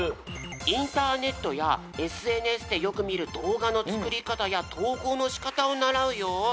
インターネットやＳＮＳでよく見る動画のつくりかたやとうこうのしかたをならうよ。